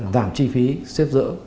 giảm chi phí xếp dỡ